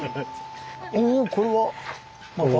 おおこれはまた。